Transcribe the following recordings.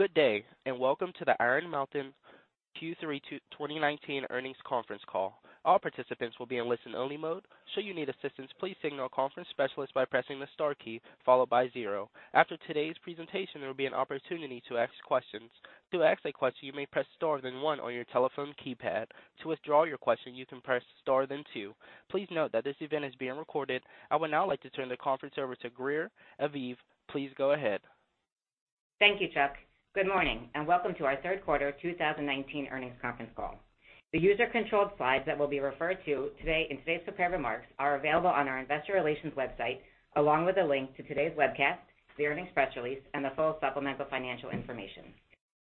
Good day, and welcome to the Iron Mountain Q3 2019 earnings conference call. All participants will be in listen only mode, should you need assistance, please signal a conference specialist by pressing the star key followed by zero. After today's presentation, there will be an opportunity to ask questions. To ask a question, you may press Star then One on your telephone keypad. To withdraw your question, you can press Star then Two. Please note that this event is being recorded. I would now like to turn the conference over to Greer Aviv. Please go ahead. Thank you, Operator. Good morning, and welcome to our third quarter 2019 earnings conference call. The user-controlled slides that will be referred to today in today's prepared remarks are available on our investor relations website, along with a link to today's webcast, the earnings press release, and the full supplemental financial information.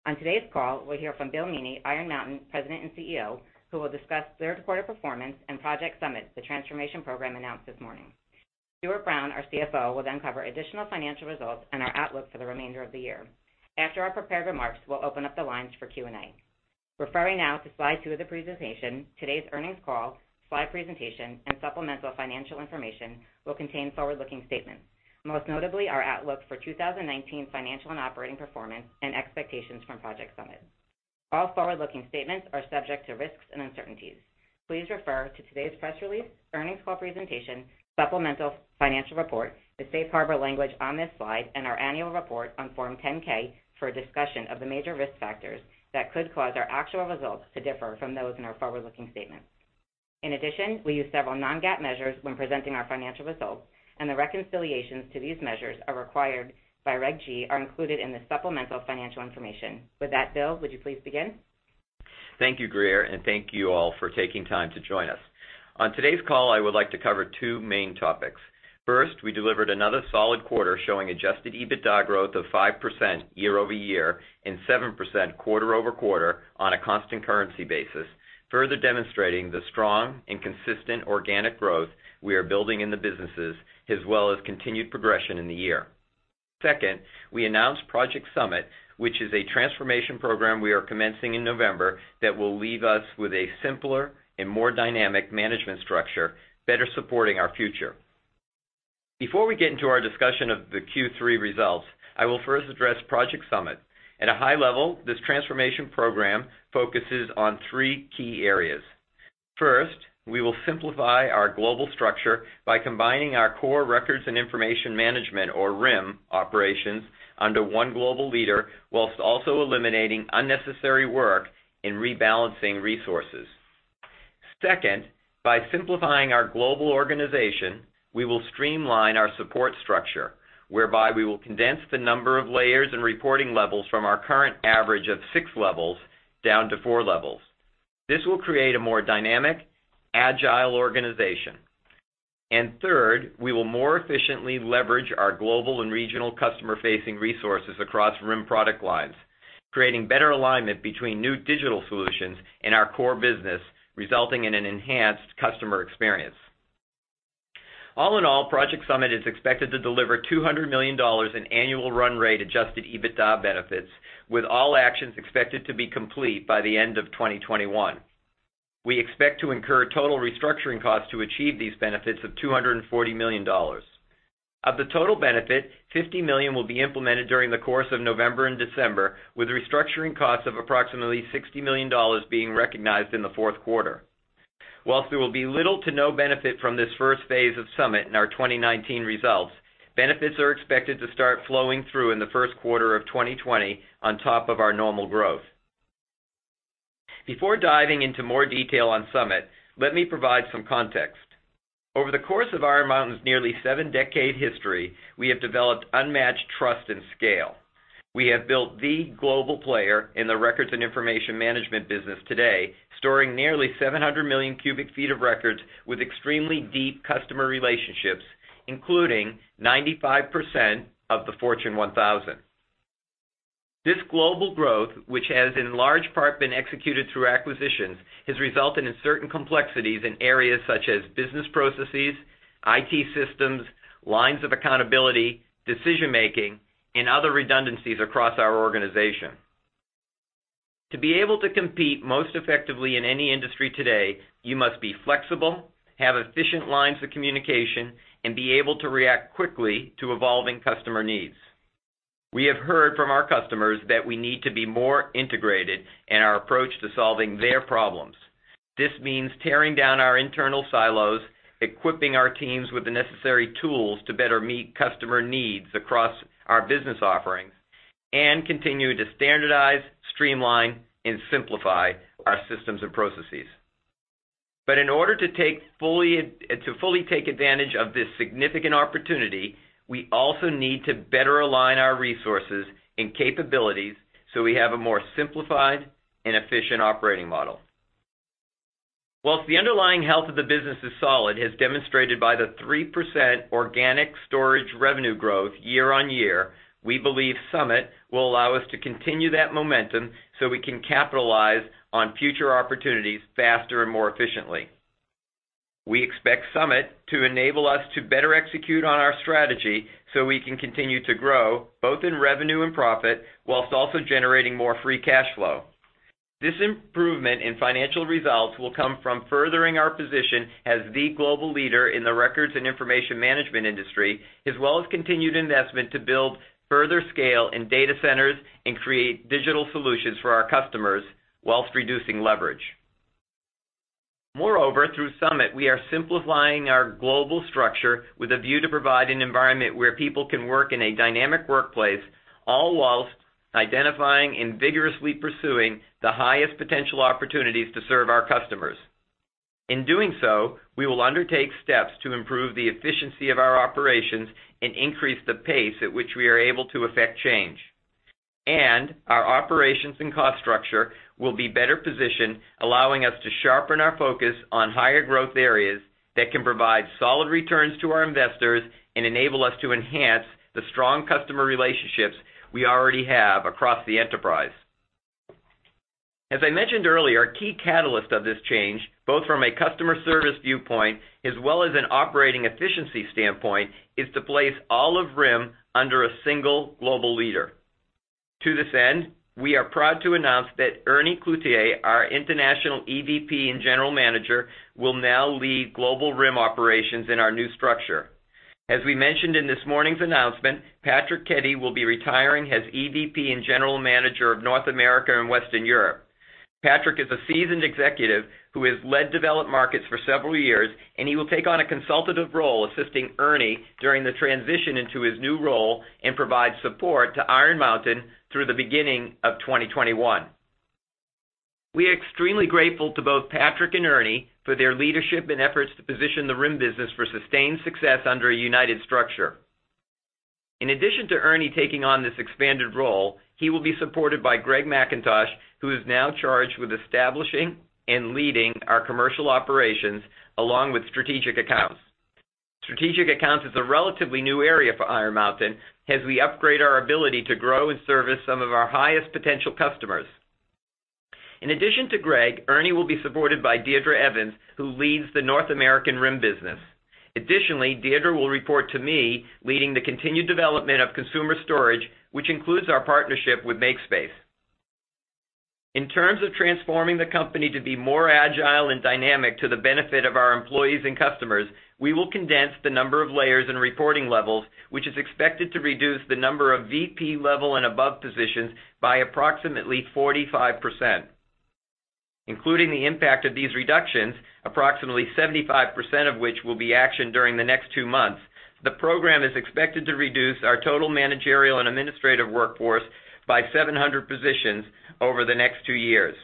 On today's call, we'll hear from Bill Meaney, Iron Mountain President and CEO, who will discuss third quarter performance and Project Summit, the transformation program announced this morning. Stuart Brown, our CFO, will then cover additional financial results and our outlook for the remainder of the year. After our prepared remarks, we'll open up the lines for Q&A. Referring now to slide two of the presentation, today's earnings call, slide presentation, and supplemental financial information will contain forward-looking statements. Most notably, our outlook for 2019 financial and operating performance, and expectations from Project Summit. All forward-looking statements are subject to risks and uncertainties. Please refer to today's press release, earnings call presentation, supplemental financial report, the safe harbor language on this slide, and our annual report on Form 10-K for a discussion of the major risk factors that could cause our actual results to differ from those in our forward-looking statements. In addition, we use several non-GAAP measures when presenting our financial results, and the reconciliations to these measures are required by Reg G are included in the supplemental financial information. With that, Bill, would you please begin? Thank you, Greer, and thank you all for taking time to join us. On today's call, I would like to cover two main topics. First, we delivered another solid quarter showing Adjusted EBITDA growth of 5% year-over-year and 7% quarter-over-quarter on a constant currency basis, further demonstrating the strong and consistent organic growth we are building in the businesses, as well as continued progression in the year. Second, we announced Project Summit, which is a transformation program we are commencing in November that will leave us with a simpler and more dynamic management structure, better supporting our future. Before we get into our discussion of the Q3 results, I will first address Project Summit. At a high level, this transformation program focuses on three key areas. First, we will simplify our global structure by combining our core Records and Information Management or RIM operations under one global leader, whilst also eliminating unnecessary work in rebalancing resources. Second, by simplifying our global organization, we will streamline our support structure, whereby we will condense the number of layers and reporting levels from our current average of 6 levels down to 4 levels. Third, we will more efficiently leverage our global and regional customer-facing resources across RIM product lines, creating better alignment between new digital solutions and our core business, resulting in an enhanced customer experience. All in all, Project Summit is expected to deliver $200 million in annual run rate Adjusted EBITDA benefits, with all actions expected to be complete by the end of 2021. We expect to incur total restructuring costs to achieve these benefits of $240 million. Of the total benefit, $50 million will be implemented during the course of November and December, with restructuring costs of approximately $60 million being recognized in the fourth quarter. There will be little to no benefit from this first phase of Summit in our 2019 results, benefits are expected to start flowing through in the first quarter of 2020 on top of our normal growth. Before diving into more detail on Summit, let me provide some context. Over the course of Iron Mountain's nearly seven-decade history, we have developed unmatched trust and scale. We have built the global player in the records and information management business today, storing nearly 700 million cubic feet of records with extremely deep customer relationships, including 95% of the Fortune 1000. This global growth, which has in large part been executed through acquisitions, has resulted in certain complexities in areas such as business processes, IT systems, lines of accountability, decision-making, and other redundancies across our organization. To be able to compete most effectively in any industry today, you must be flexible, have efficient lines of communication, and be able to react quickly to evolving customer needs. We have heard from our customers that we need to be more integrated in our approach to solving their problems. This means tearing down our internal silos, equipping our teams with the necessary tools to better meet customer needs across our business offerings, and continue to standardize, streamline, and simplify our systems and processes. In order to fully take advantage of this significant opportunity, we also need to better align our resources and capabilities so we have a more simplified and efficient operating model. While the underlying health of the business is solid, as demonstrated by the 3% organic storage revenue growth year-on-year, we believe Summit will allow us to continue that momentum so we can capitalize on future opportunities faster and more efficiently. We expect Summit to enable us to better execute on our strategy so we can continue to grow both in revenue and profit while also generating more free cash flow. This improvement in financial results will come from furthering our position as the global leader in the Records and Information Management industry, as well as continued investment to build further scale in data centers and create digital solutions for our customers while reducing leverage. Moreover, through Summit, we are simplifying our global structure with a view to provide an environment where people can work in a dynamic workplace, all whilst identifying and vigorously pursuing the highest potential opportunities to serve our customers. In doing so, we will undertake steps to improve the efficiency of our operations and increase the pace at which we are able to effect change. Our operations and cost structure will be better positioned, allowing us to sharpen our focus on higher growth areas that can provide solid returns to our investors and enable us to enhance the strong customer relationships we already have across the enterprise. As I mentioned earlier, a key catalyst of this change, both from a customer service viewpoint as well as an operating efficiency standpoint, is to place all of RIM under a single global leader. To this end, we are proud to announce that Ernie Cloutier, our international EVP and General Manager, will now lead global RIM operations in our new structure. As we mentioned in this morning's announcement, Patrick Keddy will be retiring as EVP and General Manager of North America and Western Europe. Patrick is a seasoned executive who has led developed markets for several years. He will take on a consultative role assisting Ernie during the transition into his new role and provide support to Iron Mountain through the beginning of 2021. We are extremely grateful to both Patrick and Ernie for their leadership and efforts to position the RIM business for sustained success under a united structure. In addition to Ernie taking on this expanded role, he will be supported by Greg McIntosh, who is now charged with establishing and leading our commercial operations along with strategic accounts. Strategic accounts is a relatively new area for Iron Mountain as we upgrade our ability to grow and service some of our highest potential customers. In addition to Greg, Ernie will be supported by Deirdre Evens, who leads the North American RIM business. Additionally, Deirdre will report to me leading the continued development of consumer storage, which includes our partnership with MakeSpace. In terms of transforming the company to be more agile and dynamic to the benefit of our employees and customers, we will condense the number of layers and reporting levels, which is expected to reduce the number of VP level and above positions by approximately 45%. Including the impact of these reductions, approximately 75% of which will be actioned during the next two months, the program is expected to reduce our total managerial and administrative workforce by 700 positions over the next two years.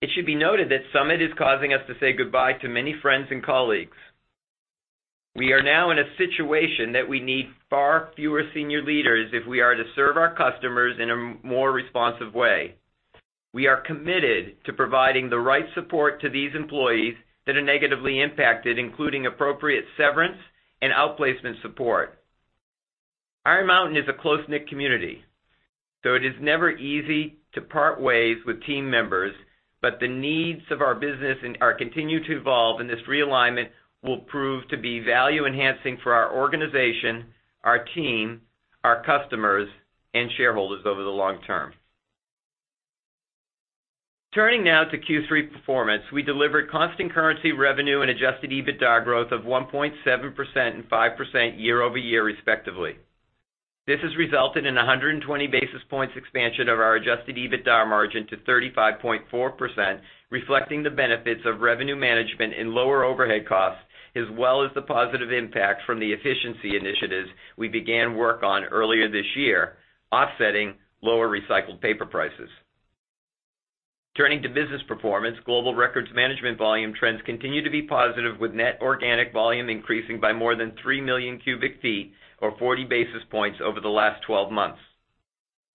It should be noted that Summit is causing us to say goodbye to many friends and colleagues. We are now in a situation that we need far fewer senior leaders if we are to serve our customers in a more responsive way. We are committed to providing the right support to these employees that are negatively impacted, including appropriate severance and outplacement support. Iron Mountain is a close-knit community, so it is never easy to part ways with team members, but the needs of our business continue to evolve, and this realignment will prove to be value-enhancing for our organization, our team, our customers, and shareholders over the long term. Turning now to Q3 performance, we delivered constant currency revenue and Adjusted EBITDA growth of 1.7% and 5% year-over-year respectively. This has resulted in 120 basis points expansion of our Adjusted EBITDA margin to 35.4%, reflecting the benefits of revenue management and lower overhead costs, as well as the positive impact from the efficiency initiatives we began work on earlier this year, offsetting lower recycled paper prices. Turning to business performance, global records management volume trends continue to be positive, with net organic volume increasing by more than three million cubic feet or 40 basis points over the last 12 months.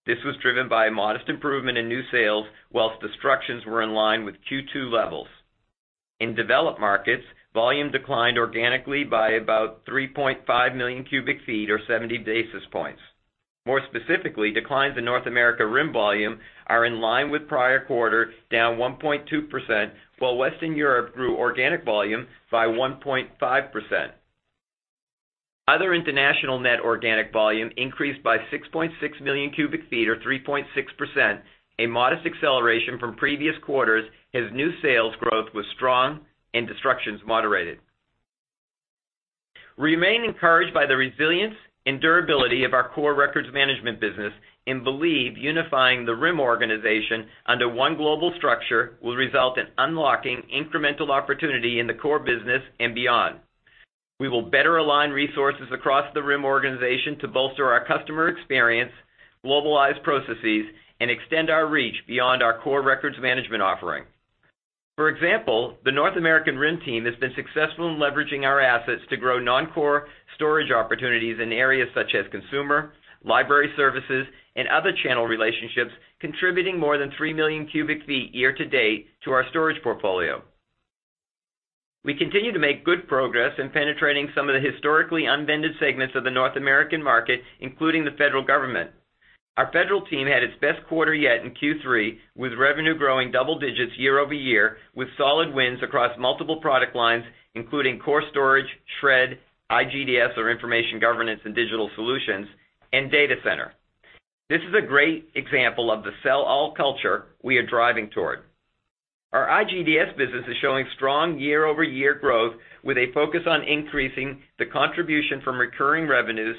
This was driven by a modest improvement in new sales, while destructions were in line with Q2 levels. In developed markets, volume declined organically by about 3.5 million cubic feet or 70 basis points. More specifically, declines in North America RIM volume are in line with prior quarter, down 1.2%, while Western Europe grew organic volume by 1.5%. Other international net organic volume increased by 6.6 million cubic feet or 3.6%, a modest acceleration from previous quarters, as new sales growth was strong and destructions moderated. We remain encouraged by the resilience and durability of our core records management business and believe unifying the RIM organization under one global structure will result in unlocking incremental opportunity in the core business and beyond. We will better align resources across the RIM organization to bolster our customer experience, globalize processes, and extend our reach beyond our core records management offering. For example, the North American RIM team has been successful in leveraging our assets to grow non-core storage opportunities in areas such as consumer, library services, and other channel relationships, contributing more than 3 million cubic feet year to date to our storage portfolio. We continue to make good progress in penetrating some of the historically unvended segments of the North American market, including the federal government. Our federal team had its best quarter yet in Q3, with revenue growing double-digits year-over-year, with solid wins across multiple product lines, including core storage, shred, IGDS, or information governance and digital solutions, and data center. This is a great example of the sell-all culture we are driving toward. Our IGDS business is showing strong year-over-year growth with a focus on increasing the contribution from recurring revenues.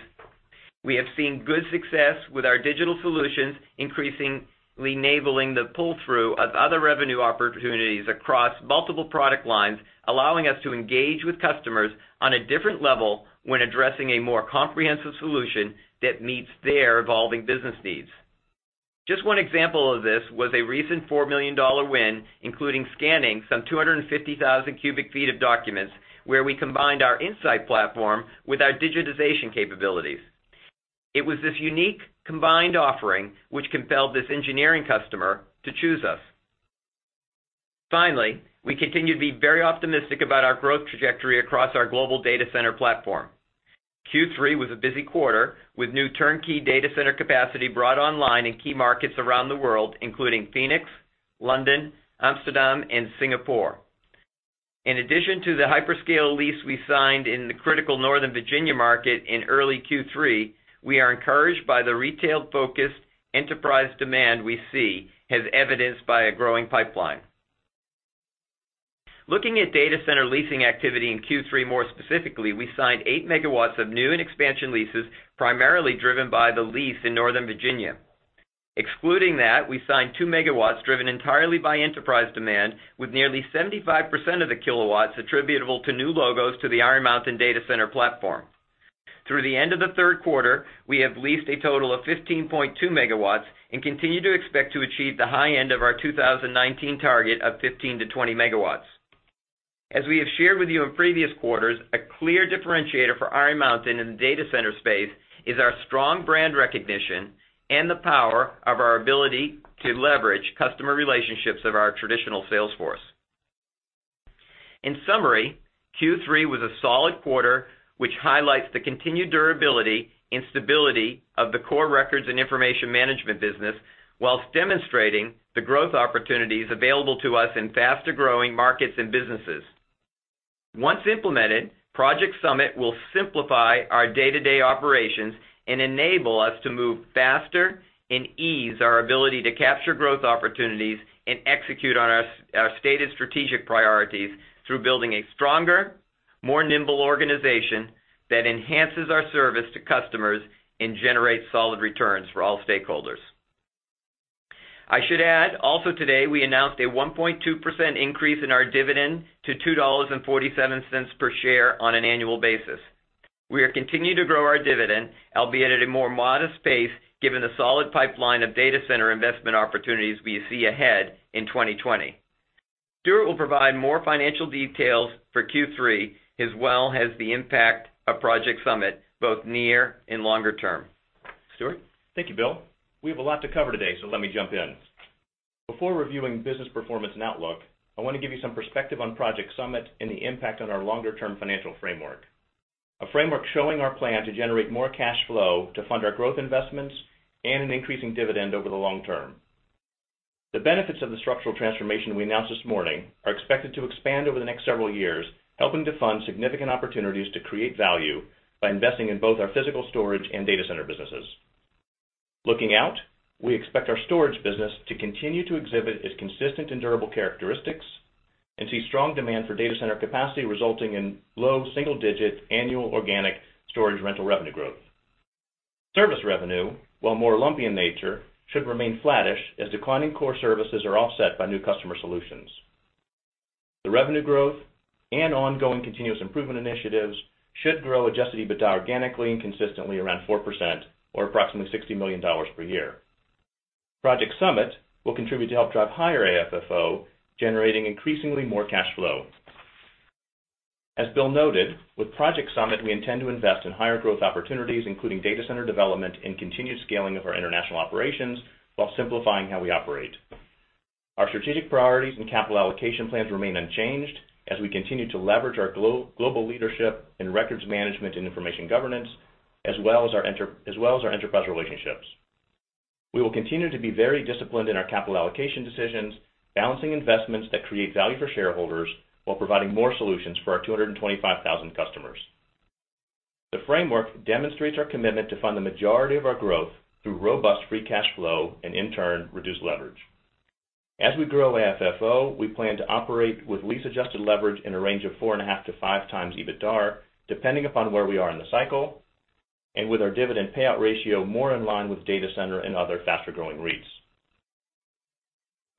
We have seen good success with our digital solutions, increasingly enabling the pull-through of other revenue opportunities across multiple product lines, allowing us to engage with customers on a different level when addressing a more comprehensive solution that meets their evolving business needs. Just one example of this was a recent $4 million win, including scanning some 250,000 cubic feet of documents, where we combined our InSight platform with our digitization capabilities. It was this unique combined offering which compelled this engineering customer to choose us. We continue to be very optimistic about our growth trajectory across our global data center platform. Q3 was a busy quarter, with new turnkey data center capacity brought online in key markets around the world, including Phoenix, London, Amsterdam, and Singapore. In addition to the hyperscale lease we signed in the critical Northern Virginia market in early Q3, we are encouraged by the retail-focused enterprise demand we see as evidenced by a growing pipeline. Looking at data center leasing activity in Q3 more specifically, we signed 8 MW of new and expansion leases, primarily driven by the lease in Northern Virginia. Excluding that, we signed two megawatts driven entirely by enterprise demand, with nearly 75% of the kilowatts attributable to new logos to the Iron Mountain Data Center platform. Through the end of the third quarter, we have leased a total of 15.2 megawatts and continue to expect to achieve the high end of our 2019 target of 15-20 megawatts. As we have shared with you in previous quarters, a clear differentiator for Iron Mountain in the data center space is our strong brand recognition and the power of our ability to leverage customer relationships of our traditional sales force. In summary, Q3 was a solid quarter, which highlights the continued durability and stability of the core Records and Information Management business, whilst demonstrating the growth opportunities available to us in faster-growing markets and businesses. Once implemented, Project Summit will simplify our day-to-day operations and enable us to move faster and ease our ability to capture growth opportunities and execute on our stated strategic priorities through building a stronger, more nimble organization that enhances our service to customers and generates solid returns for all stakeholders. I should add, also today, we announced a 1.2% increase in our dividend to $2.47 per share on an annual basis. We are continuing to grow our dividend, albeit at a more modest pace, given the solid pipeline of data center investment opportunities we see ahead in 2020. Stuart will provide more financial details for Q3, as well as the impact of Project Summit, both near and longer term. Stuart? Thank you, Bill. We have a lot to cover today. Let me jump in. Before reviewing business performance and outlook, I want to give you some perspective on Project Summit and the impact on our longer-term financial framework, a framework showing our plan to generate more cash flow to fund our growth investments and an increasing dividend over the long term. The benefits of the structural transformation we announced this morning are expected to expand over the next several years, helping to fund significant opportunities to create value by investing in both our physical storage and data center businesses. Looking out, we expect our storage business to continue to exhibit its consistent and durable characteristics and see strong demand for data center capacity, resulting in low single-digit annual organic storage rental revenue growth. Service revenue, while more lumpy in nature, should remain flattish as declining core services are offset by new customer solutions. The revenue growth and ongoing continuous improvement initiatives should grow Adjusted EBITDA organically and consistently around 4% or approximately $60 million per year. Project Summit will contribute to help drive higher AFFO, generating increasingly more cash flow. As Bill noted, with Project Summit, we intend to invest in higher growth opportunities, including data center development and continued scaling of our international operations, while simplifying how we operate. Our strategic priorities and capital allocation plans remain unchanged as we continue to leverage our global leadership in records management and information governance, as well as our enterprise relationships. We will continue to be very disciplined in our capital allocation decisions, balancing investments that create value for shareholders while providing more solutions for our 225,000 customers. The framework demonstrates our commitment to fund the majority of our growth through robust free cash flow and, in turn, reduced leverage. As we grow AFFO, we plan to operate with lease-adjusted leverage in a range of four and a half to five times EBITDA, depending upon where we are in the cycle, and with our dividend payout ratio more in line with data center and other faster-growing REITs.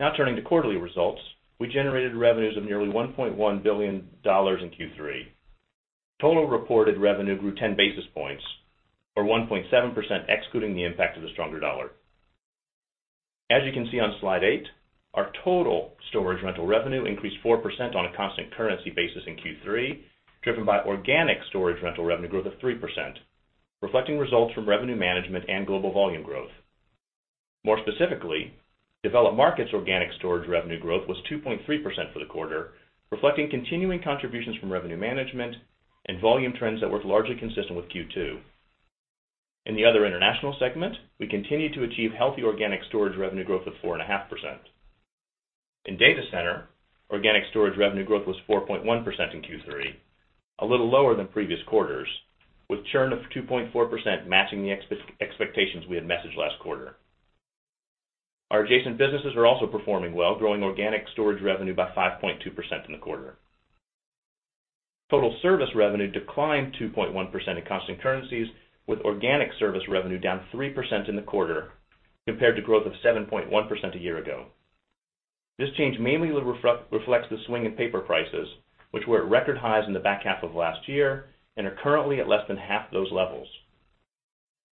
Now turning to quarterly results. We generated revenues of nearly $1.1 billion in Q3. Total reported revenue grew 10 basis points, or 1.7%, excluding the impact of the stronger dollar. As you can see on slide eight, our total storage rental revenue increased 4% on a constant currency basis in Q3, driven by organic storage rental revenue growth of 3%, reflecting results from revenue management and global volume growth. More specifically, developed markets organic storage revenue growth was 2.3% for the quarter, reflecting continuing contributions from revenue management and volume trends that were largely consistent with Q2. In the other international segment, we continued to achieve healthy organic storage revenue growth of 4.5%. In data center, organic storage revenue growth was 4.1% in Q3, a little lower than previous quarters, with churn of 2.4% matching the expectations we had messaged last quarter. Our adjacent businesses are also performing well, growing organic storage revenue by 5.2% in the quarter. Total service revenue declined 2.1% in constant currencies, with organic service revenue down 3% in the quarter compared to growth of 7.1% a year ago. This change mainly reflects the swing in paper prices, which were at record highs in the back half of last year and are currently at less than half those levels.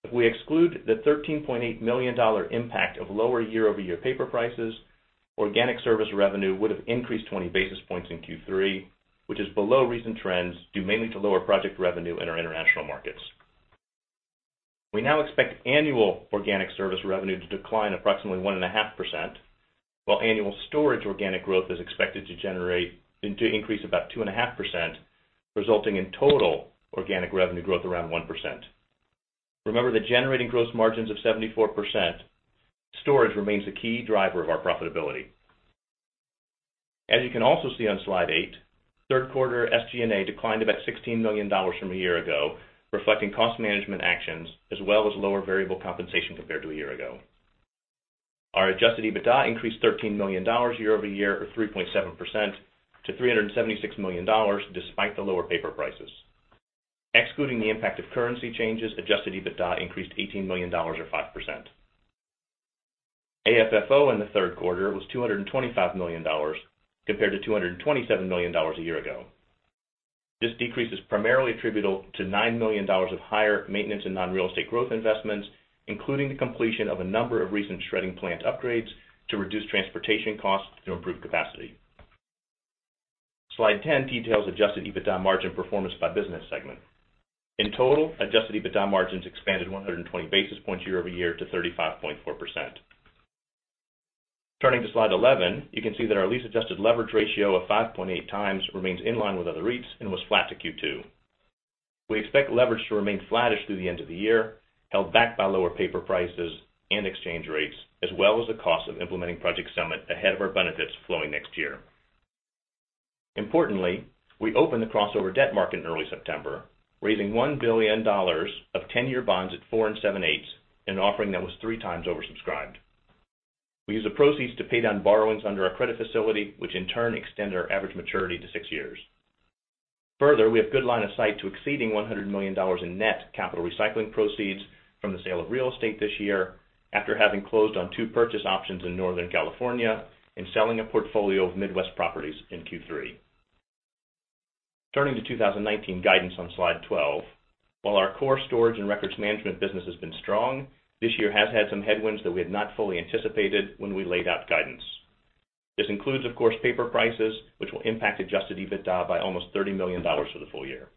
If we exclude the $13.8 million impact of lower year-over-year paper prices, organic service revenue would have increased 20 basis points in Q3, which is below recent trends, due mainly to lower project revenue in our international markets. We now expect annual organic service revenue to decline approximately 1.5%, while annual storage organic growth is expected to increase about 2.5%, resulting in total organic revenue growth around 1%. Remember that generating gross margins of 74%, storage remains the key driver of our profitability. As you can also see on slide eight, third quarter SG&A declined about $16 million from a year ago, reflecting cost management actions as well as lower variable compensation compared to a year ago. Our Adjusted EBITDA increased $13 million year-over-year, or 3.7%, to $376 million, despite the lower paper prices. Excluding the impact of currency changes, Adjusted EBITDA increased $18 million or 5%. AFFO in the third quarter was $225 million, compared to $227 million a year ago. This decrease is primarily attributable to $9 million of higher maintenance and non-real estate growth investments, including the completion of a number of recent shredding plant upgrades to reduce transportation costs and improve capacity. Slide 10 details Adjusted EBITDA margin performance by business segment. In total, Adjusted EBITDA margins expanded 120 basis points year-over-year to 35.4%. Turning to slide 11, you can see that our lease-adjusted leverage ratio of 5.8 times remains in line with other REITs and was flat to Q2. We expect leverage to remain flattish through the end of the year, held back by lower paper prices and exchange rates, as well as the cost of implementing Project Summit ahead of our benefits flowing next year. Importantly, we opened the crossover debt market in early September, raising $1 billion of 10-year bonds at four and seven-eighths, an offering that was three times oversubscribed. We used the proceeds to pay down borrowings under our credit facility, which in turn extend our average maturity to six years. We have good line of sight to exceeding $100 million in net capital recycling proceeds from the sale of real estate this year, after having closed on two purchase options in Northern California and selling a portfolio of Midwest properties in Q3. Turning to 2019 guidance on Slide 12. While our core storage and records management business has been strong, this year has had some headwinds that we had not fully anticipated when we laid out guidance. This includes, of course, paper prices, which will impact Adjusted EBITDA by almost $30 million for the full year.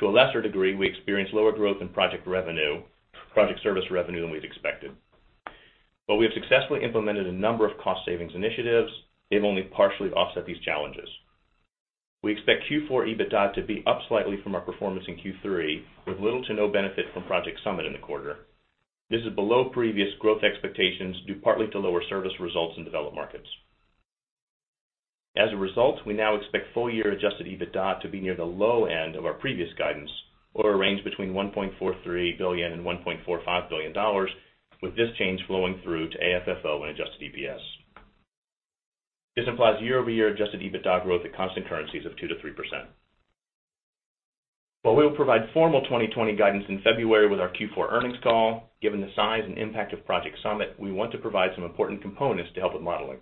To a lesser degree, we experienced lower growth in project service revenue than we'd expected. We have successfully implemented a number of cost savings initiatives, they've only partially offset these challenges. We expect Q4 EBITDA to be up slightly from our performance in Q3, with little to no benefit from Project Summit in the quarter. This is below previous growth expectations, due partly to lower service results in developed markets. As a result, we now expect full-year Adjusted EBITDA to be near the low end of our previous guidance, or a range between $1.43 billion and $1.45 billion, with this change flowing through to AFFO and Adjusted EPS. This implies year-over-year Adjusted EBITDA growth at constant currencies of 2% to 3%. While we will provide formal 2020 guidance in February with our Q4 earnings call, given the size and impact of Project Summit, we want to provide some important components to help with modeling.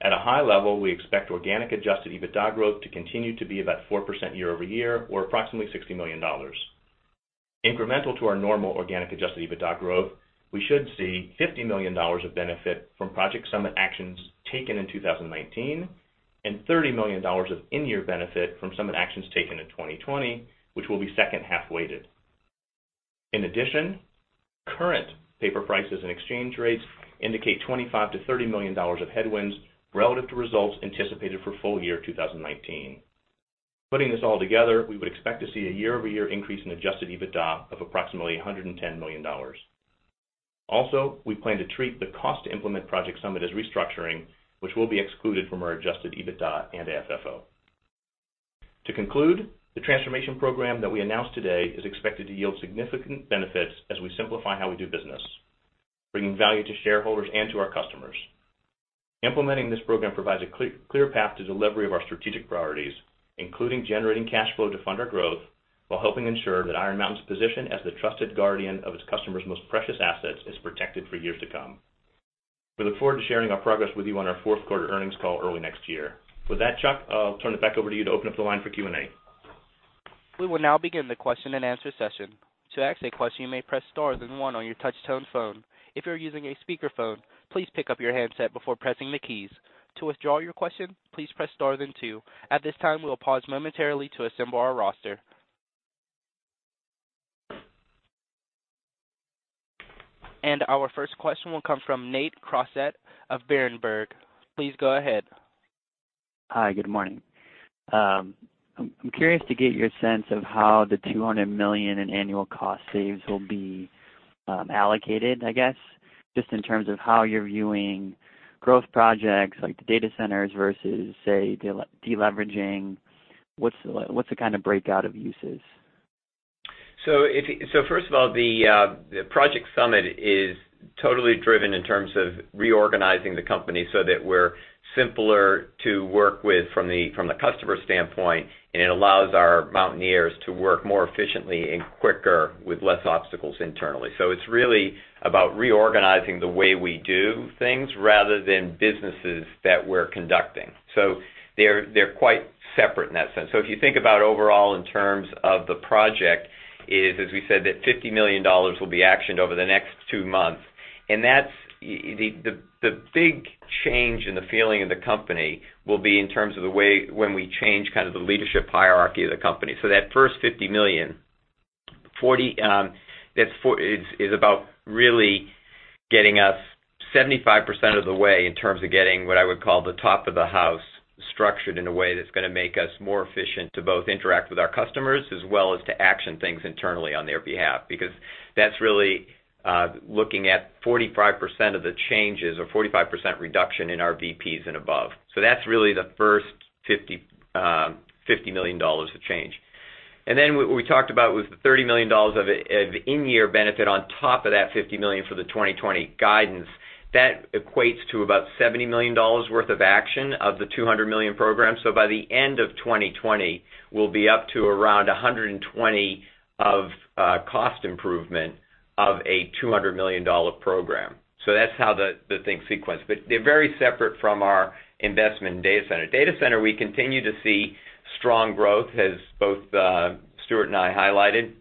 At a high level, we expect organic Adjusted EBITDA growth to continue to be about 4% year-over-year or approximately $60 million. Incremental to our normal organic Adjusted EBITDA growth, we should see $50 million of benefit from Project Summit actions taken in 2019 and $30 million of in-year benefit from Summit actions taken in 2020, which will be second-half weighted. In addition, current paper prices and exchange rates indicate $25 million-$30 million of headwinds relative to results anticipated for full year 2019. Putting this all together, we would expect to see a year-over-year increase in Adjusted EBITDA of approximately $110 million. We plan to treat the cost to implement Project Summit as restructuring, which will be excluded from our Adjusted EBITDA and AFFO. To conclude, the transformation program that we announced today is expected to yield significant benefits as we simplify how we do business, bringing value to shareholders and to our customers. Implementing this program provides a clear path to delivery of our strategic priorities, including generating cash flow to fund our growth, while helping ensure that Iron Mountain's position as the trusted guardian of its customers' most precious assets is protected for years to come. We look forward to sharing our progress with you on our fourth quarter earnings call early next year. With that, Operator, I'll turn it back over to you to open up the line for Q&A. We will now begin the question and answer session. To ask a question, you may press star then one on your touch tone phone. If you're using a speakerphone, please pick up your handset before pressing the keys. To withdraw your question, please press star then two. At this time, we will pause momentarily to assemble our roster. Our first question will come from Nathaniel Crossett of Berenberg. Please go ahead. Hi, good morning. I'm curious to get your sense of how the $200 million in annual cost saves will be allocated, I guess. Just in terms of how you're viewing growth projects like the data centers versus, say, deleveraging. What's the kind of breakout of uses? First of all, Project Summit is totally driven in terms of reorganizing the company so that we're simpler to work with from the customer standpoint, and it allows our Mountaineers to work more efficiently and quicker with less obstacles internally. It's really about reorganizing the way we do things rather than businesses that we're conducting. They're quite separate in that sense. If you think about overall in terms of the project is, as we said, that $50 million will be actioned over the next two months. That's the big change in the feeling of the company will be in terms of the way when we change kind of the leadership hierarchy of the company. That first $50 million is about really getting us 75% of the way in terms of getting what I would call the top of the house structured in a way that's going to make us more efficient to both interact with our customers as well as to action things internally on their behalf. That's really looking at 45% of the changes or 45% reduction in our VPs and above. That's really the first $50 million of change. Then what we talked about with the $30 million of in-year benefit on top of that $50 million for the 2020 guidance, that equates to about $70 million worth of action of the $200 million program. By the end of 2020, we'll be up to around $120 million of cost improvement of a $200 million program. That's how the thing sequence. They're very separate from our investment in data center. Data center, we continue to see strong growth as both Stuart and I highlighted.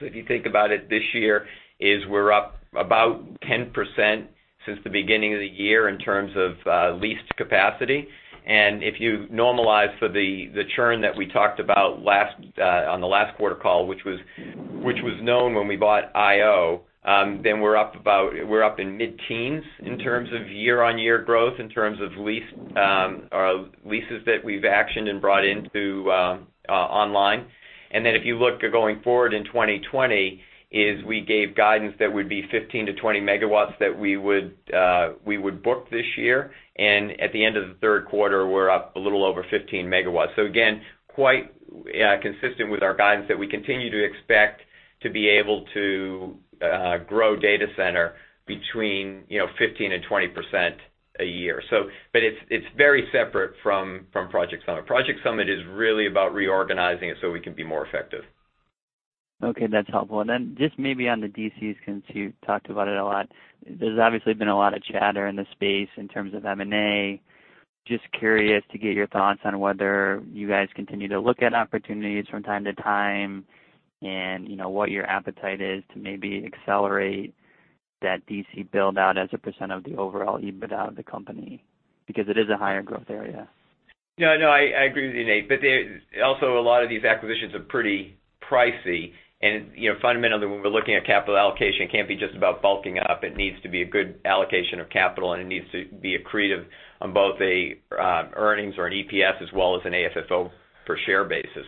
If you think about it this year, is we're up about 10% since the beginning of the year in terms of leased capacity. If you normalize for the churn that we talked about on the last quarter call, which was known when we bought IO, then we're up in mid-teens in terms of year-on-year growth, in terms of leases that we've actioned and brought into online. If you look at going forward in 2020, is we gave guidance that would be 15-20 megawatts that we would book this year. At the end of the third quarter, we're up a little over 15 megawatts. Again, quite consistent with our guidance that we continue to expect to be able to grow data center between 15% and 20% a year. It's very separate from Project Summit. Project Summit is really about reorganizing it so we can be more effective. Okay, that's helpful. Then just maybe on the DCs, since you talked about it a lot, there's obviously been a lot of chatter in the space in terms of M&A. Just curious to get your thoughts on whether you guys continue to look at opportunities from time to time, and what your appetite is to maybe accelerate that DC build out as a % of the overall EBITDA of the company, because it is a higher growth area? No, I agree with you, Nate. Also, a lot of these acquisitions are pretty pricey, and fundamentally, when we're looking at capital allocation, it can't be just about bulking up. It needs to be a good allocation of capital, and it needs to be accretive on both earnings or an EPS as well as an AFFO per share basis.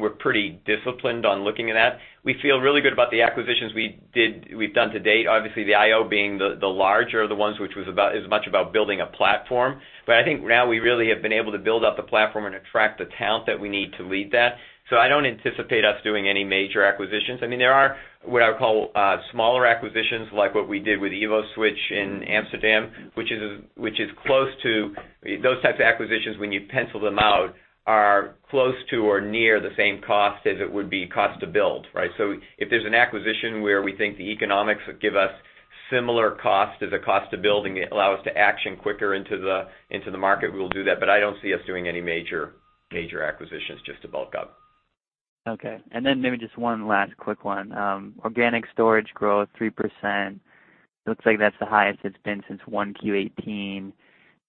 We're pretty disciplined on looking at that. We feel really good about the acquisitions we've done to date. Obviously, the IO being the larger of the ones, which was as much about building a platform. I think now we really have been able to build out the platform and attract the talent that we need to lead that. I don't anticipate us doing any major acquisitions. There are what I would call smaller acquisitions, like what we did with EvoSwitch in Amsterdam, those types of acquisitions when you pencil them out, are close to or near the same cost as it would be cost to build. If there's an acquisition where we think the economics give us similar cost as the cost of building, it allow us to action quicker into the market, we'll do that. I don't see us doing any major acquisitions just to bulk up. Okay. Then maybe just one last quick one. Organic storage growth 3%. Looks like that's the highest it's been since 1Q18.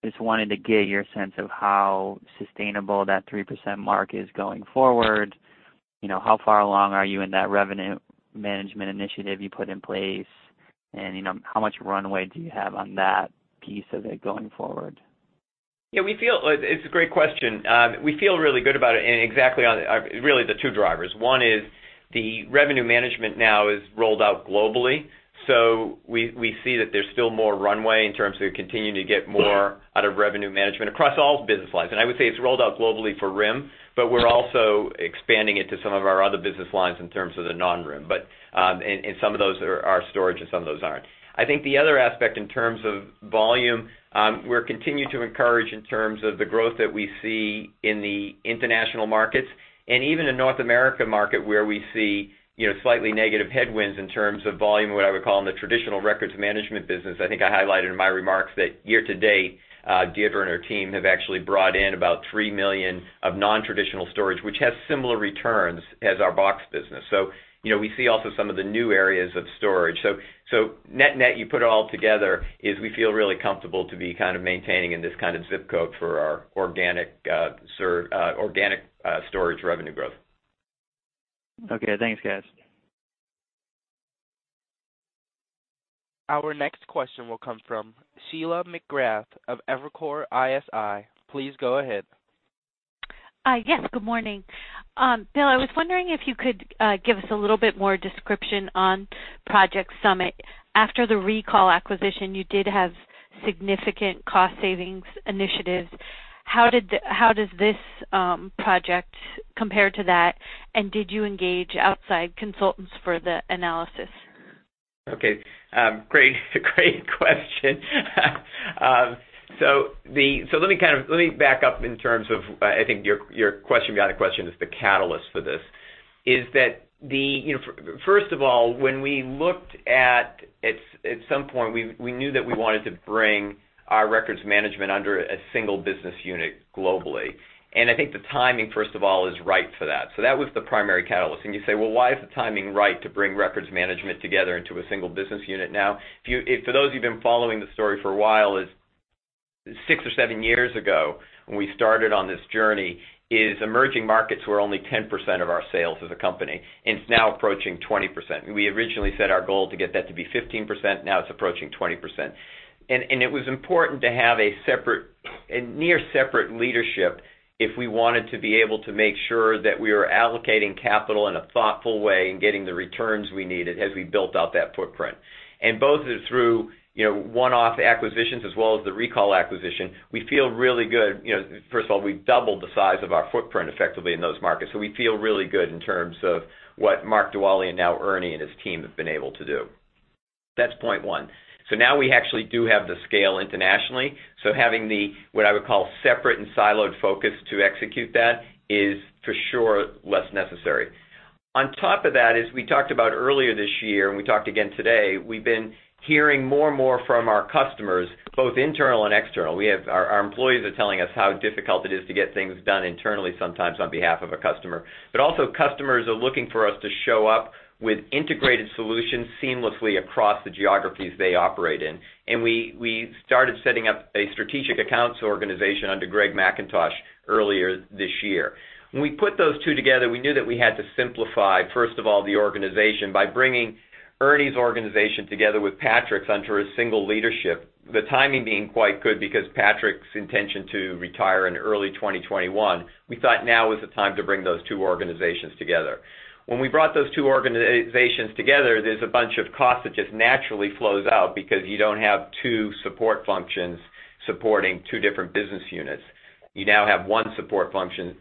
Just wanted to get your sense of how sustainable that 3% mark is going forward. How far along are you in that revenue management initiative you put in place? How much runway do you have on that piece of it going forward? It's a great question. We feel really good about it, and exactly on really the two drivers. One is the revenue management now is rolled out globally. We see that there's still more runway in terms of continuing to get more out of revenue management across all business lines. I would say it's rolled out globally for RIM, but we're also expanding it to some of our other business lines in terms of the non-RIM. Some of those are storage and some of those aren't. I think the other aspect in terms of volume, we're continuing to encourage in terms of the growth that we see in the international markets and even in North America market, where we see slightly negative headwinds in terms of volume, what I would call in the traditional Records Management business. I think I highlighted in my remarks that year to date, Deirdre and her team have actually brought in about $3 million of non-traditional storage, which has similar returns as our box business. We see also some of the new areas of storage. Net-net, you put it all together is we feel really comfortable to be kind of maintaining in this kind of ZIP code for our organic storage revenue growth. Okay. Thanks, guys. Our next question will come from Sheila McGrath of Evercore ISI. Please go ahead. Yes, good morning. Bill, I was wondering if you could give us a little bit more description on Project Summit. After the Recall acquisition, you did have significant cost savings initiatives. How does this project compare to that? Did you engage outside consultants for the analysis? Okay. Great question. Let me back up in terms of, I think your question about a question is the catalyst for this, is that first of all, when we looked at some point, we knew that we wanted to bring our records management under a single business unit globally. I think the timing, first of all, is right for that. That was the primary catalyst. You say, "Well, why is the timing right to bring records management together into a single business unit now?" For those who've been following the story for a while is, six or seven years ago, when we started on this journey, is emerging markets were only 10% of our sales as a company, and it's now approaching 20%. We originally set our goal to get that to be 15%, now it's approaching 20%. It was important to have a near separate leadership if we wanted to be able to make sure that we were allocating capital in a thoughtful way and getting the returns we needed as we built out that footprint. Both through one-off acquisitions as well as the Recall acquisition, we feel really good. First of all, we've doubled the size of our footprint effectively in those markets. We feel really good in terms of what Mark DeMello and now Ernie and his team have been able to do. That's point one. Now we actually do have the scale internationally, so having the, what I would call separate and siloed focus to execute that is for sure less necessary. As we talked about earlier this year, and we talked again today, we've been hearing more and more from our customers, both internal and external. Our employees are telling us how difficult it is to get things done internally sometimes on behalf of a customer. Also customers are looking for us to show up with integrated solutions seamlessly across the geographies they operate in. We started setting up a strategic accounts organization under Greg McIntosh earlier this year. When we put those two together, we knew that we had to simplify, first of all, the organization by bringing Ernie's organization together with Patrick's under a single leadership. The timing being quite good because Patrick's intention to retire in early 2021. We thought now is the time to bring those two organizations together. When we brought those two organizations together, there's a bunch of cost that just naturally flows out because you don't have two support functions supporting two different business units. You now have one support function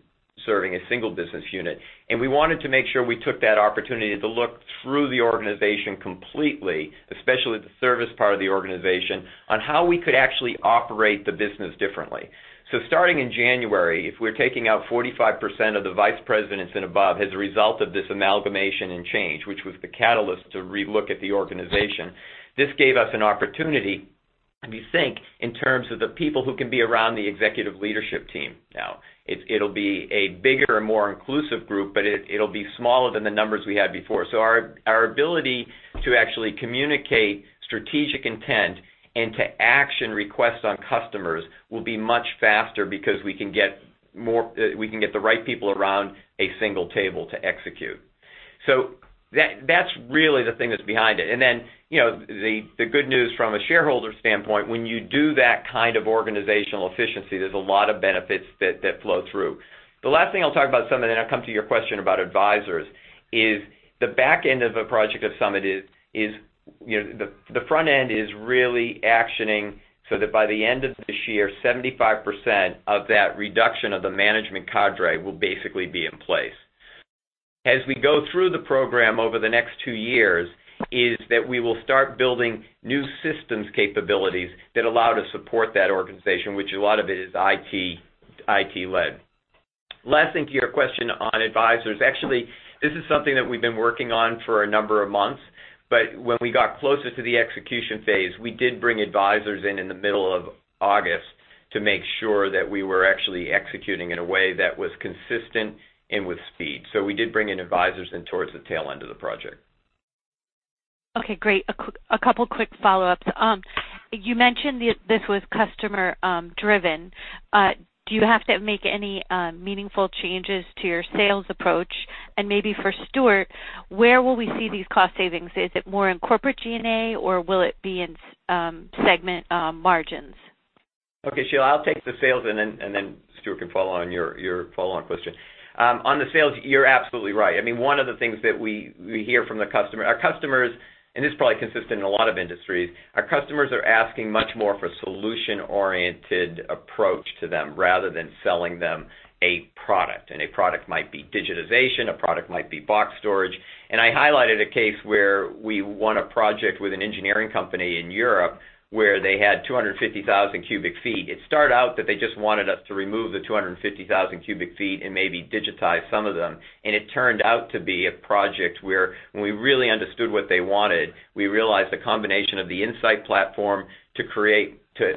serving a single business unit. We wanted to make sure we took that opportunity to look through the organization completely, especially the service part of the organization, on how we could actually operate the business differently. Starting in January, if we're taking out 45% of the Vice Presidents and above as a result of this amalgamation and change, which was the catalyst to relook at the organization. This gave us an opportunity, we think, in terms of the people who can be around the executive leadership team now. It'll be a bigger and more inclusive group, but it'll be smaller than the numbers we had before. Our ability to actually communicate strategic intent and to action requests on customers will be much faster because we can get the right people around a single table to execute. That's really the thing that's behind it. The good news from a shareholder standpoint, when you do that kind of organizational efficiency, there's a lot of benefits that flow through. The last thing I'll talk about, and then I'll come to your question about advisors, is the back end of a Project Summit. The front end is really actioning so that by the end of this year, 75% of that reduction of the management cadre will basically be in place. As we go through the program over the next two years, is that we will start building new systems capabilities that allow to support that organization, which a lot of it is IT-led. Last thing to your question on advisors. Actually, this is something that we've been working on for a number of months. When we got closer to the execution phase, we did bring advisors in in the middle of August to make sure that we were actually executing in a way that was consistent and with speed. We did bring in advisors in towards the tail end of the project. Okay, great. A couple quick follow-ups. You mentioned this was customer driven. Do you have to make any meaningful changes to your sales approach? Maybe for Stuart, where will we see these cost savings? Is it more in corporate G&A or will it be in segment margins? Okay, Sheila, I'll take the sales and then Stuart can follow on your follow-on question. On the sales, you're absolutely right. One of the things that we hear from Our customers, and this probably consists in a lot of industries, our customers are asking much more for solution-oriented approach to them rather than selling them a product. A product might be digitization, a product might be box storage. I highlighted a case where we won a project with an engineering company in Europe where they had 250,000 cubic feet. It started out that they just wanted us to remove the 250,000 cubic feet and maybe digitize some of them. It turned out to be a project where when we really understood what they wanted, we realized the combination of the Iron Mountain InSight platform to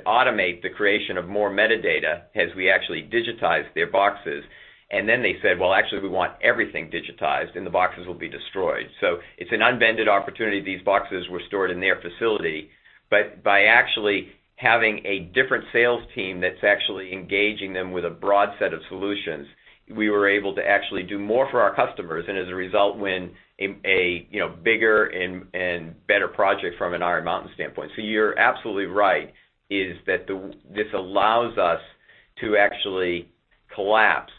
automate the creation of more metadata as we actually digitized their boxes. They said, "Well, actually, we want everything digitized, and the boxes will be destroyed." It's an unvended opportunity. These boxes were stored in their facility. By actually having a different sales team that's actually engaging them with a broad set of solutions, we were able to actually do more for our customers, and as a result, win a bigger and better project from an Iron Mountain standpoint. You're absolutely right, is that this allows us to actually collapse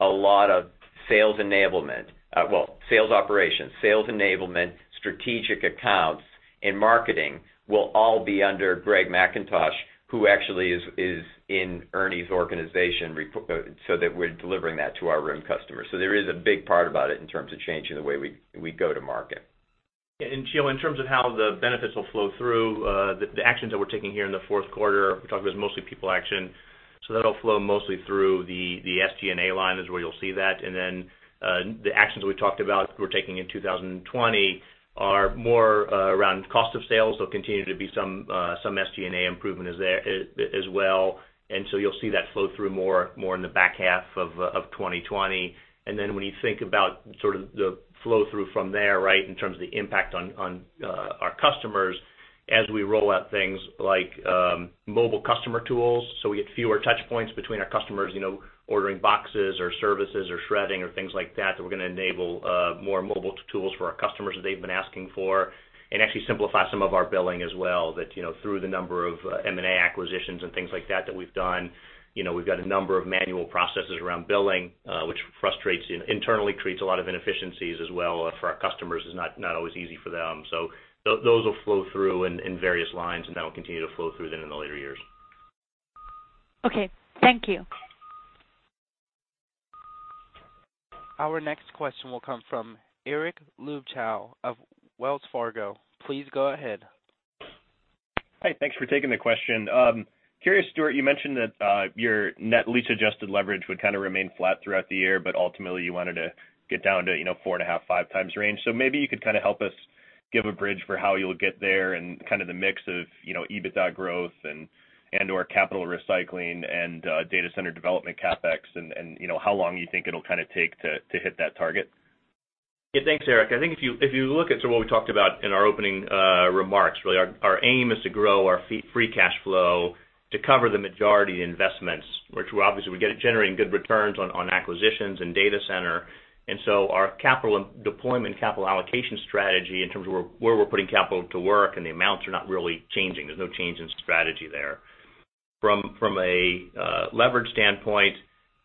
a lot of sales operations, sales enablement, strategic accounts, and marketing will all be under Greg McIntosh, who actually is in Ernie's organization, so that we're delivering that to our RIM customers. There is a big part about it in terms of changing the way we go to market. Gio, in terms of how the benefits will flow through, the actions that we're taking here in the fourth quarter, we talked about it was mostly people action. That'll flow mostly through the SG&A line is where you'll see that. The actions we talked about we're taking in 2020 are more around cost of sales. There'll continue to be some SG&A improvement as well. You'll see that flow through more in the back half of 2020. When you think about the flow through from there, in terms of the impact on our customers as we roll out things like mobile customer tools, so we get fewer touch points between our customers ordering boxes or services or shredding or things like that we're going to enable more mobile tools for our customers that they've been asking for. Actually simplify some of our billing as well, that through the number of M&A acquisitions and things like that we've done, we've got a number of manual processes around billing, which internally creates a lot of inefficiencies as well. For our customers, it's not always easy for them. Those will flow through in various lines, and that'll continue to flow through then in the later years. Okay, thank you. Our next question will come from Eric Luebchow of Wells Fargo. Please go ahead. Hi. Thanks for taking the question. Curious, Stuart, you mentioned that your net lease adjusted leverage would kind of remain flat throughout the year, ultimately you wanted to get down to 4.5-5 times range. Maybe you could kind of help us give a bridge for how you'll get there and kind of the mix of EBITDA growth and/or capital recycling and data center development CapEx and how long you think it'll take to hit that target. Yeah. Thanks, Eric. I think if you look at what we talked about in our opening remarks, really our aim is to grow our free cash flow to cover the majority of the investments, which we're obviously generating good returns on acquisitions and data center. Our deployment capital allocation strategy in terms of where we're putting capital to work and the amounts are not really changing. There's no change in strategy there. From a leverage standpoint,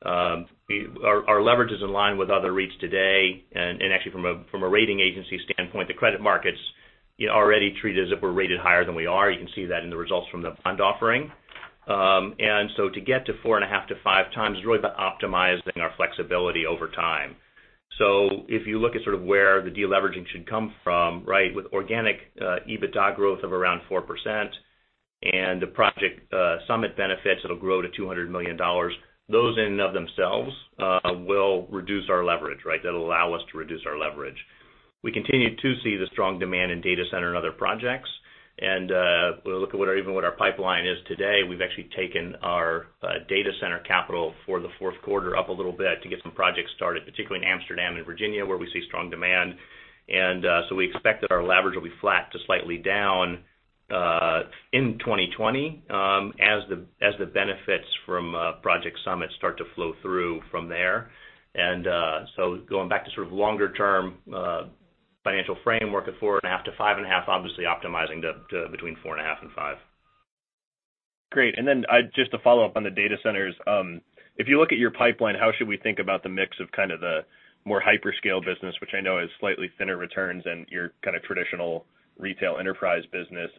our leverage is in line with other REITs today. Actually from a rating agency standpoint, the credit markets already treat us as if we're rated higher than we are. You can see that in the results from the bond offering. To get to 4.5 to 5 times is really about optimizing our flexibility over time. If you look at sort of where the deleveraging should come from with organic EBITDA growth of around 4% and the Project Summit benefits, that'll grow to $200 million. Those in and of themselves, will reduce our leverage. That'll allow us to reduce our leverage. We continue to see the strong demand in data center and other projects. When we look at even what our pipeline is today, we've actually taken our data center capital for the fourth quarter up a little bit to get some projects started, particularly in Amsterdam and Virginia, where we see strong demand. We expect that our leverage will be flat to slightly down in 2020, as the benefits from Project Summit start to flow through from there. Going back to sort of longer term financial framework of 4.5-5.5, obviously optimizing to between 4.5 and 5. Great. Just to follow up on the data centers, if you look at your pipeline, how should we think about the mix of kind of the more hyperscale business, which I know has slightly thinner returns than your kind of traditional retail enterprise business?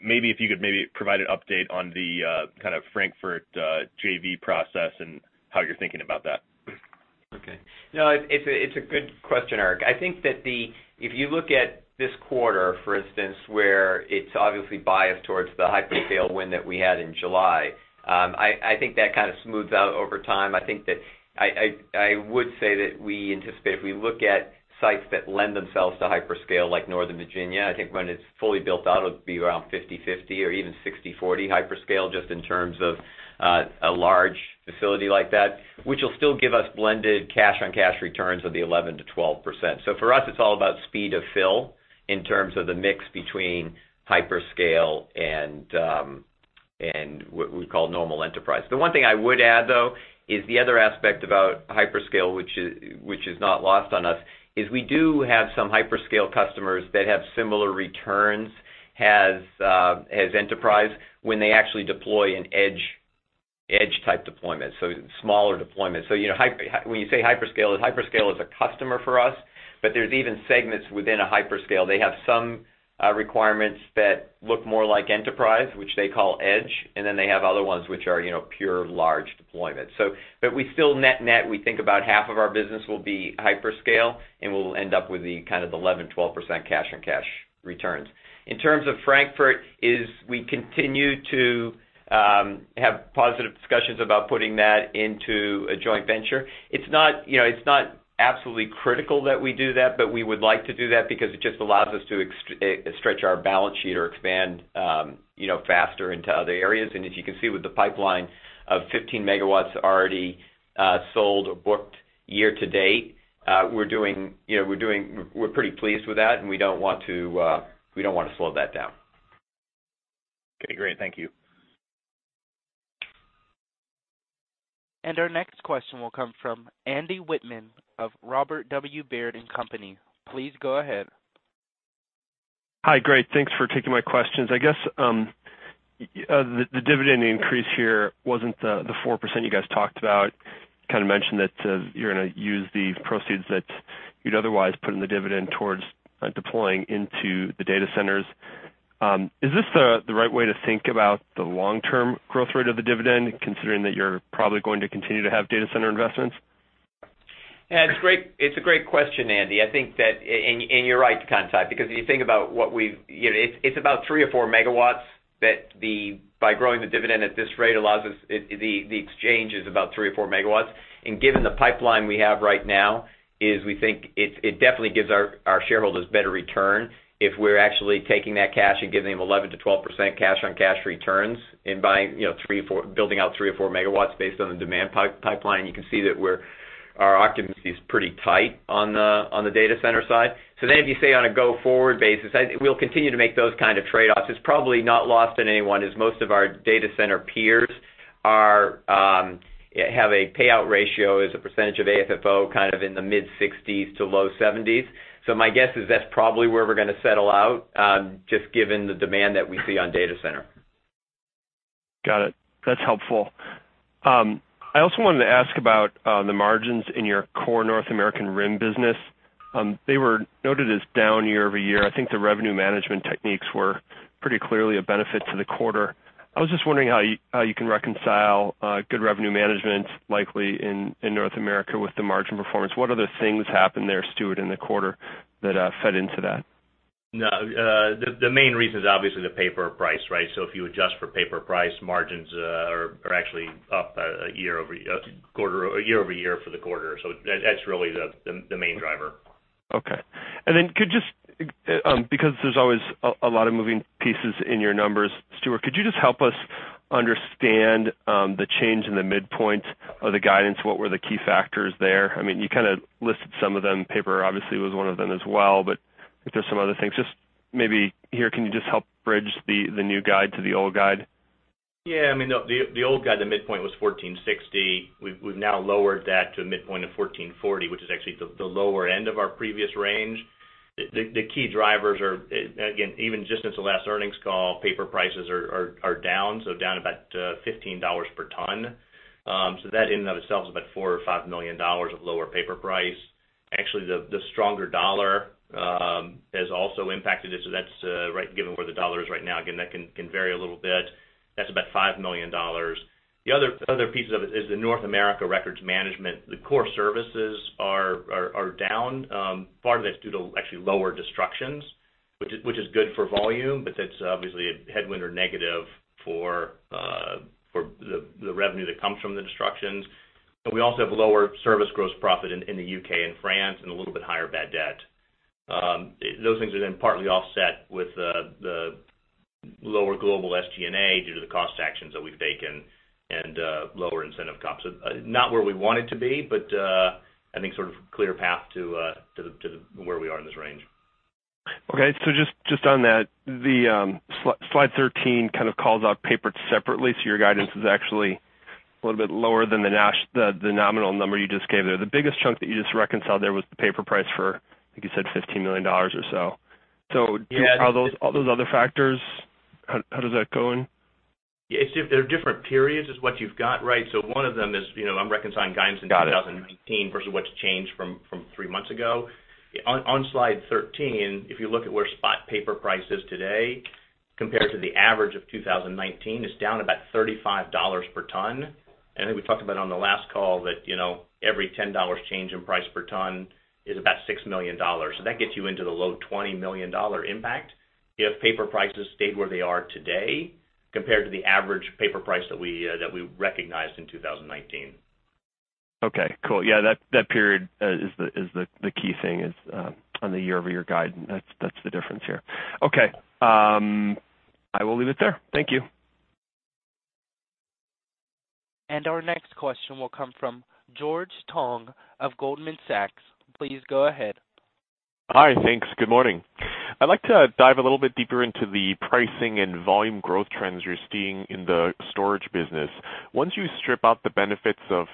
Maybe if you could maybe provide an update on the kind of Frankfurt JV process and how you're thinking about that? Okay. It's a good question, Eric. I think that if you look at this quarter, for instance, where it's obviously biased towards the hyperscale win that we had in July, I think that kind of smooths out over time. I would say that we anticipate if we look at sites that lend themselves to hyperscale, like Northern Virginia, I think when it's fully built out, it'll be around 50/50 or even 60/40 hyperscale, just in terms of a large facility like that, which will still give us blended cash-on-cash returns of the 11%-12%. For us, it's all about speed of fill in terms of the mix between hyperscale and what we call normal enterprise. The one thing I would add though, is the other aspect about hyperscale, which is not lost on us, we do have some hyperscale customers that have similar returns as enterprise when they actually deploy an edge type deployment, smaller deployments. When you say hyperscale is a customer for us, but there's even segments within a hyperscale. They have some requirements that look more like enterprise, which they call edge, then they have other ones which are pure large deployments. We still net-net, we think about half of our business will be hyperscale, and we'll end up with the kind of 11%, 12% cash-on-cash returns. In terms of Frankfurt, is we continue to have positive discussions about putting that into a joint venture. It's not absolutely critical that we do that, but we would like to do that because it just allows us to stretch our balance sheet or expand faster into other areas. As you can see with the pipeline of 15 megawatts already sold or booked year to date, we're pretty pleased with that and we don't want to slow that down. Okay, great. Thank you. Our next question will come from Andrew Wittmann of Robert W. Baird & Co. Please go ahead. Hi. Great. Thanks for taking my questions. I guess, the dividend increase here wasn't the 4% you guys talked about. You kind of mentioned that you're going to use the proceeds that you'd otherwise put in the dividend towards deploying into the data centers. Is this the right way to think about the long-term growth rate of the dividend, considering that you're probably going to continue to have data center investments? Yeah, it's a great question, Andy, and you're right to context. It's about three or four megawatts that by growing the dividend at this rate allows us, the exchange is about three or four megawatts. Given the pipeline we have right now, we think it definitely gives our shareholders better return if we're actually taking that cash and giving them 11%-12% cash on cash returns and building out three or four megawatts based on the demand pipeline. You can see that our occupancy is pretty tight on the data center side. If you say on a go forward basis, we'll continue to make those kind of trade-offs. It's probably not lost on anyone, as most of our data center peers have a payout ratio as a percentage of AFFO, kind of in the mid 60s to low 70s. My guess is that's probably where we're going to settle out, just given the demand that we see on data center. Got it. That's helpful. I also wanted to ask about the margins in your core North American RIM business. They were noted as down year-over-year. I think the revenue management techniques were pretty clearly a benefit to the quarter. I was just wondering how you can reconcile good revenue management likely in North America with the margin performance. What other things happened there, Stuart, in the quarter that fed into that? The main reason is obviously the paper price, right? If you adjust for paper price, margins are actually up year-over-year for the quarter. That's really the main driver. Okay. Because there's always a lot of moving pieces in your numbers, Stuart, could you just help us understand the change in the midpoint of the guidance? What were the key factors there? You kind of listed some of them. Paper obviously was one of them as well. If there's some other things, just maybe here, can you just help bridge the new guide to the old guide? Yeah. The old guide, the midpoint was $1,460. We've now lowered that to a midpoint of $1,440, which is actually the lower end of our previous range. The key drivers are, again, even just since the last earnings call, paper prices are down, so down about $15 per ton. That in and of itself is about $4 or $5 million of lower paper price. Actually, the stronger dollar has also impacted it. That's given where the dollar is right now, again, that can vary a little bit. That's about $5 million. The other piece of it is the North America Records Management. The core services are down. Part of that's due to actually lower destructions, which is good for volume, but that's obviously a headwind or negative for the revenue that comes from the destructions. We also have lower service gross profit in the U.K. and France, and a little bit higher bad debt. Those things are then partly offset with the lower global SG&A due to the cost actions that we've taken and lower incentive comps. Not where we want it to be, but I think sort of clear path to where we are in this range. Okay. Just on that, the Slide 13 kind of calls out paper separately. Your guidance is actually a little bit lower than the nominal number you just gave there. The biggest chunk that you just reconciled there was the paper price for, I think you said $15 million or so. Yeah. All those other factors, how does that go in? They're different periods is what you've got, right? One of them is I'm reconciling guidance in 2019. Got it. versus what's changed from three months ago. On Slide 13, if you look at where spot paper price is today compared to the average of 2019, it's down about $35 per ton. I think we talked about on the last call that every $10 change in price per ton is about $6 million. That gets you into the low $20 million impact if paper prices stayed where they are today compared to the average paper price that we recognized in 2019. Okay, cool. Yeah, that period is the key thing is on the year-over-year guide, and that's the difference here. Okay. I will leave it there. Thank you. Our next question will come from George Tong of Goldman Sachs. Please go ahead. Hi. Thanks. Good morning. I'd like to dive a little bit deeper into the pricing and volume growth trends you're seeing in the storage business. Once you strip out the benefits of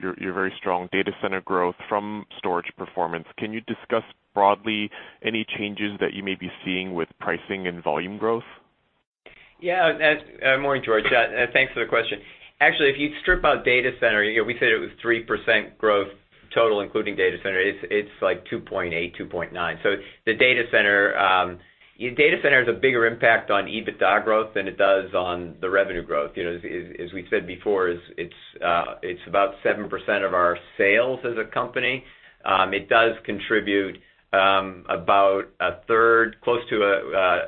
your very strong data center growth from storage performance, can you discuss broadly any changes that you may be seeing with pricing and volume growth? Yeah. Morning, George. Thanks for the question. Actually, if you strip out data center, we said it was 3% growth total, including data center. It's like 2.8, 2.9. The data center has a bigger impact on EBITDA growth than it does on the revenue growth. As we said before, it's about 7% of our sales as a company. It does contribute about a third, close to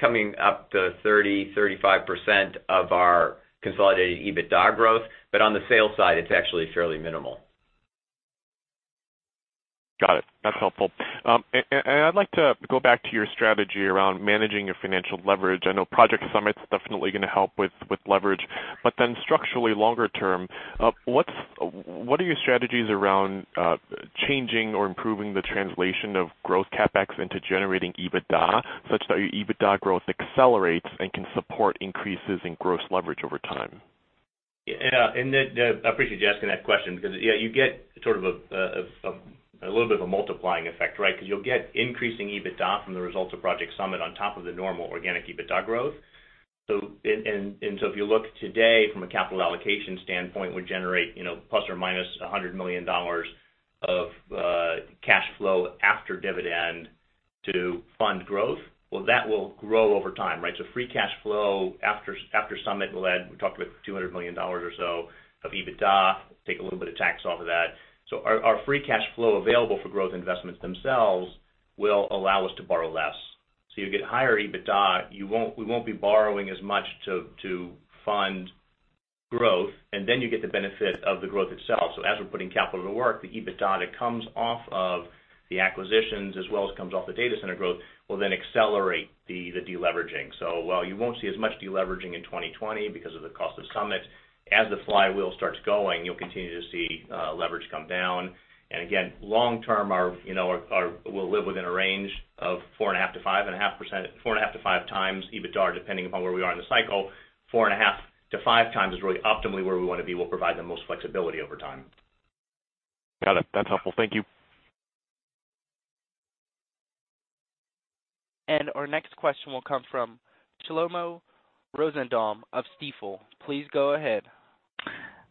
coming up to 30%, 35% of our consolidated EBITDA growth. On the sales side, it's actually fairly minimal. Got it. That's helpful. I'd like to go back to your strategy around managing your financial leverage. I know Project Summit's definitely going to help with leverage, but then structurally longer term, what are your strategies around changing or improving the translation of growth CapEx into generating EBITDA, such that your EBITDA growth accelerates and can support increases in gross leverage over time? Yeah. I appreciate you asking that question because you get sort of a little bit of a multiplying effect, right? Because you'll get increasing EBITDA from the results of Project Summit on top of the normal organic EBITDA growth. If you look today from a capital allocation standpoint, would generate plus or minus $100 million of cash flow after dividend to fund growth. Well, that will grow over time, right? Free cash flow after Summit will add, we talked about $200 million or so of EBITDA, take a little bit of tax off of that. Our free cash flow available for growth investments themselves will allow us to borrow less. You get higher EBITDA. We won't be borrowing as much to fund growth, and then you get the benefit of the growth itself. As we're putting capital to work, the EBITDA that comes off of the acquisitions as well as comes off the data center growth, will then accelerate the de-leveraging. While you won't see as much de-leveraging in 2020 because of the cost of Summit, as the flywheel starts going, you'll continue to see leverage come down. Again, long term, we'll live within a range of 4.5-5 times EBITDA, depending upon where we are in the cycle. 4.5-5 times is really optimally where we want to be, will provide the most flexibility over time. Got it. That's helpful. Thank you. Our next question will come from Shlomo Rosenbaum of Stifel. Please go ahead.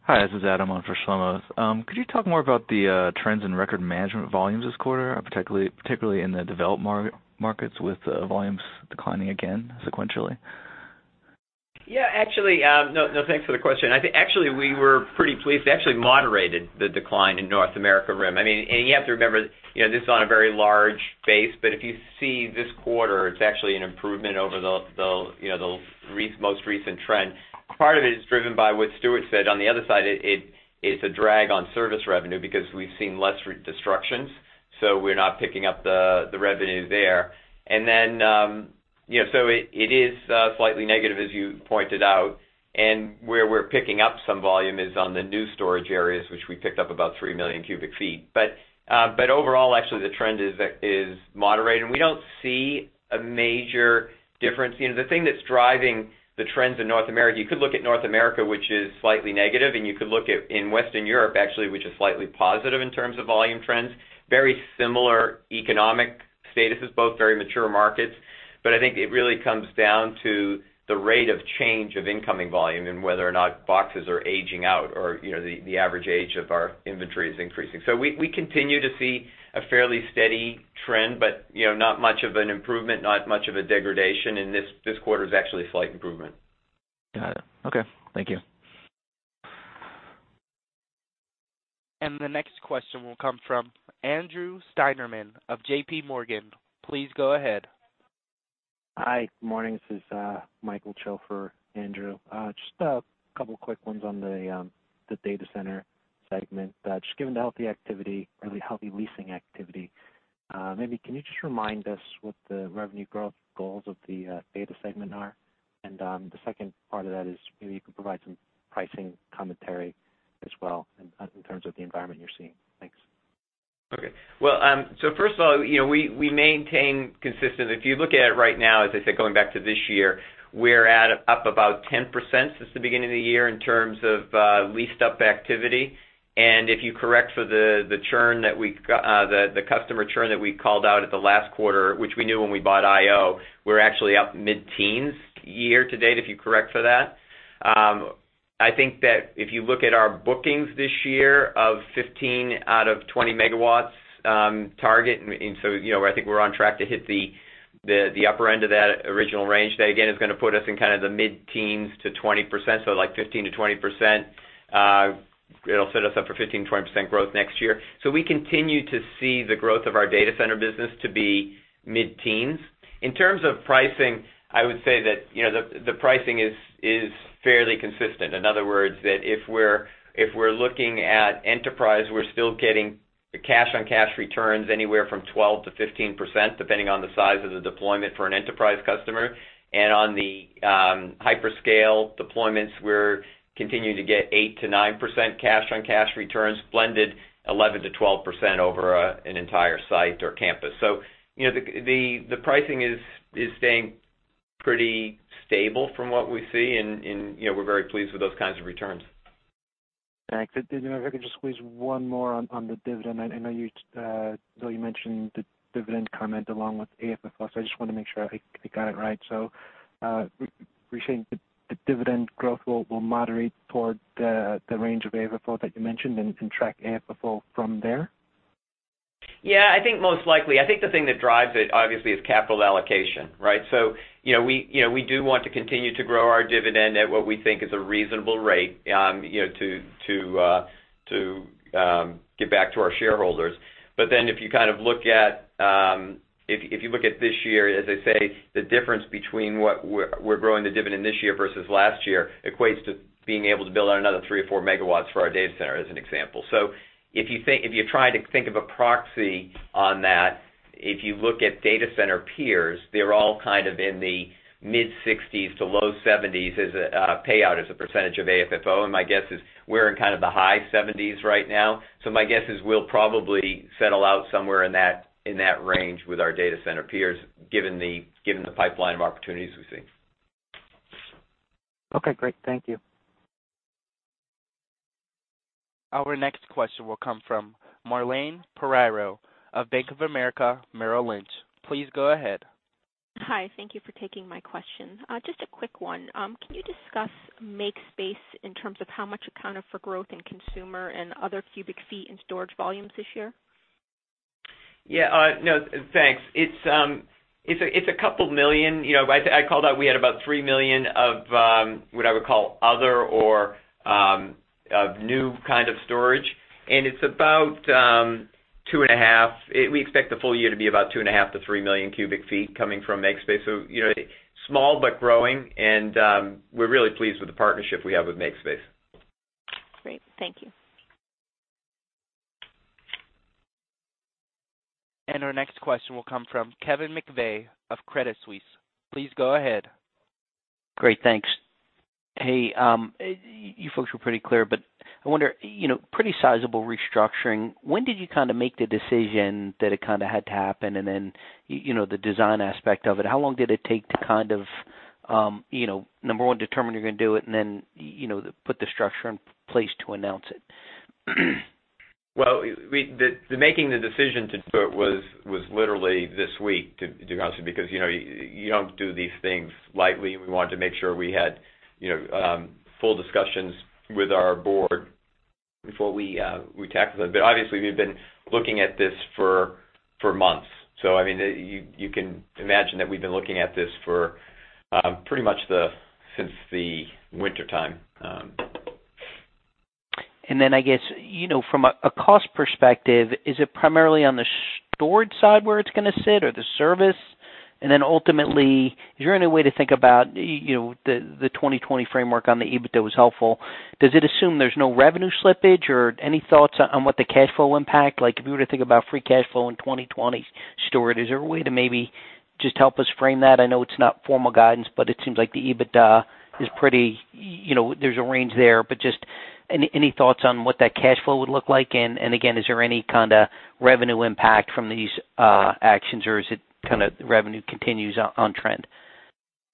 Hi, this is Adam on for Shlomo. Could you talk more about the trends in record management volumes this quarter, particularly in the developed markets, with volumes declining again sequentially? Yeah, actually, no, thanks for the question. I think actually, we were pretty pleased. They actually moderated the decline in North America RIM. You have to remember, this is on a very large base, but if you see this quarter, it's actually an improvement over the most recent trend. Part of it is driven by what Stuart said. On the other side, it's a drag on service revenue because we've seen less destructions, so we're not picking up the revenue there. It is slightly negative, as you pointed out. Where we're picking up some volume is on the new storage areas, which we picked up about 3 million cubic feet. Overall, actually, the trend is moderated, and we don't see a major difference. The thing that's driving the trends in North America, you could look at North America, which is slightly negative, and you could look at in Western Europe actually, which is slightly positive in terms of volume trends, very similar economic statuses, both very mature markets. I think it really comes down to the rate of change of incoming volume and whether or not boxes are aging out or the average age of our inventory is increasing. We continue to see a fairly steady trend, but not much of an improvement, not much of a degradation, and this quarter is actually a slight improvement. Got it. Okay. Thank you. The next question will come from Andrew Steinerman of J.P. Morgan. Please go ahead. Hi, good morning. This is Michael Schaffer, Andrew. Just a couple quick ones on the data center segment. Just given the healthy leasing activity, maybe can you just remind us what the revenue growth goals of the data segment are? The second part of that is maybe you can provide some pricing commentary as well in terms of the environment you're seeing. Thanks. Okay. Well, first of all, we maintain consistent. If you look at it right now, as I said, going back to this year, we're at up about 10% since the beginning of the year in terms of leased-up activity. If you correct for the customer churn that we called out at the last quarter, which we knew when we bought IO, we're actually up mid-teens year to date, if you correct for that. I think that if you look at our bookings this year of 15 out of 20 megawatts target, I think we're on track to hit the upper end of that original range. That, again, is going to put us in kind of the mid-teens-20%. Like 15%-20%. It'll set us up for 15%-20% growth next year. We continue to see the growth of our data center business to be mid-teens. In terms of pricing, I would say that the pricing is fairly consistent. In other words, that if we're looking at enterprise, we're still getting the cash-on-cash returns anywhere from 12%-15%, depending on the size of the deployment for an enterprise customer. On the hyperscale deployments, we're continuing to get 8%-9% cash-on-cash returns, blended 11%-12% over an entire site or campus. The pricing is staying pretty stable from what we see, and we're very pleased with those kinds of returns. Thanks. If I could just squeeze one more on the dividend. I know you mentioned the dividend comment along with AFFO, so I just want to make sure I got it right. We think the dividend growth will moderate toward the range of AFFO that you mentioned and contract AFFO from there? Yeah, I think most likely. I think the thing that drives it, obviously, is capital allocation, right? We do want to continue to grow our dividend at what we think is a reasonable rate to give back to our shareholders. If you look at this year, as I say, the difference between what we're growing the dividend this year versus last year equates to being able to build out another three or four megawatts for our data center, as an example. If you're trying to think of a proxy on that If you look at data center peers, they're all kind of in the mid-60s% to low 70s% as a payout, as a percentage of AFFO, and my guess is we're in kind of the high 70s% right now. My guess is we'll probably settle out somewhere in that range with our data center peers, given the pipeline of opportunities we see. Okay, great. Thank you. Our next question will come from Marlane Pereiro of Bank of America Merrill Lynch. Please go ahead. Hi, thank you for taking my question. Just a quick one. Can you discuss MakeSpace in terms of how much it accounted for growth in consumer and other cubic feet and storage volumes this year? Yeah. No, thanks. It's a couple million. I called out, we had about 3 million of what I would call other or of new kind of storage, and it's about two and a half. We expect the full year to be about two and a half to 3 million cubic feet coming from MakeSpace. Small but growing, and we're really pleased with the partnership we have with MakeSpace. Great. Thank you. Our next question will come from Kevin McVeigh of Credit Suisse. Please go ahead. Great, thanks. Hey, you folks were pretty clear, but I wonder, pretty sizable restructuring. When did you kind of make the decision that it had to happen, and then, the design aspect of it, how long did it take to kind of, number one, determine you're going to do it, and then put the structure in place to announce it? Making the decision to do it was literally this week, to be honest with you, because you don't do these things lightly. We wanted to make sure we had full discussions with our board before we tackled it. Obviously, we've been looking at this for months. I mean, you can imagine that we've been looking at this for pretty much since the wintertime. I guess, from a cost perspective, is it primarily on the storage side where it's going to sit or the service? Ultimately, is there any way to think about, the 2020 framework on the EBITDA was helpful. Does it assume there's no revenue slippage, or any thoughts on what the cash flow impact? Like if we were to think about free cash flow in 2020 storage, is there a way to maybe just help us frame that? I know it's not formal guidance, but it seems like the EBITDA is pretty, there's a range there. Just any thoughts on what that cash flow would look like? Again, is there any kind of revenue impact from these actions, or is it kind of revenue continues on trend?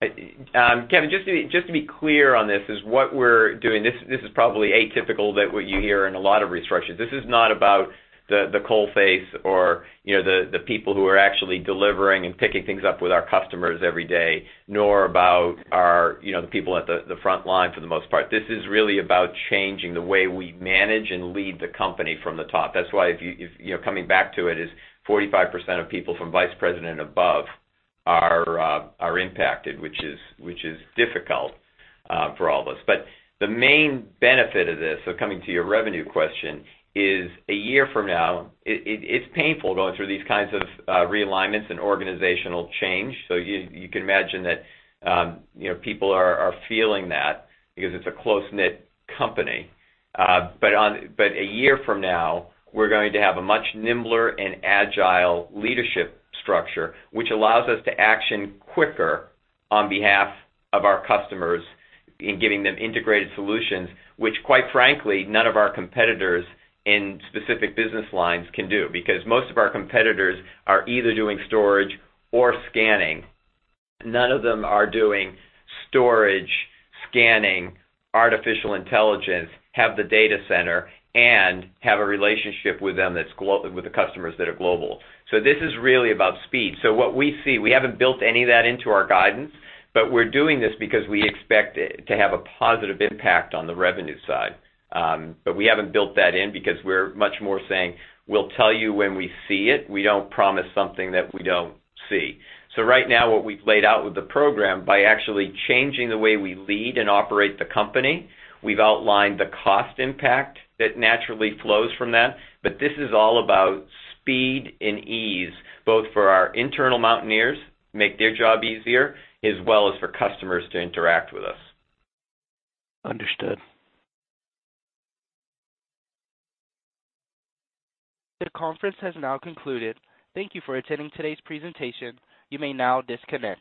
Kevin, just to be clear on this, is what we're doing, this is probably atypical that what you hear in a lot of restructures. This is not about the coal face or the people who are actually delivering and picking things up with our customers every day, nor about the people at the front line for the most part. This is really about changing the way we manage and lead the company from the top. That's why if you, coming back to it, is 45% of people from vice president above are impacted, which is difficult for all of us. The main benefit of this, so coming to your revenue question, is a year from now, it's painful going through these kinds of realignments and organizational change. You can imagine that people are feeling that because it's a close-knit company. A year from now, we're going to have a much nimbler and agile leadership structure, which allows us to action quicker on behalf of our customers in giving them integrated solutions, which quite frankly, none of our competitors in specific business lines can do. Most of our competitors are either doing storage or scanning. None of them are doing storage, scanning, artificial intelligence, have the data center, and have a relationship with the customers that are global. This is really about speed. What we see, we haven't built any of that into our guidance, but we're doing this because we expect it to have a positive impact on the revenue side. We haven't built that in because we're much more saying, we'll tell you when we see it. We don't promise something that we don't see. Right now, what we've laid out with the program, by actually changing the way we lead and operate the company, we've outlined the cost impact that naturally flows from that. This is all about speed and ease, both for our internal Mountaineers, make their job easier, as well as for customers to interact with us. Understood. The conference has now concluded. Thank you for attending today's presentation. You may now disconnect.